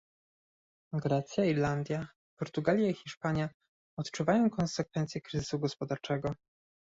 Grecja, Irlandia, Portugalia i Hiszpania odczuwają konsekwencje kryzysu gospodarczego